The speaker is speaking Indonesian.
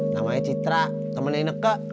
namanya citra temennya ineke